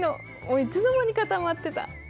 いつの間にかたまってた。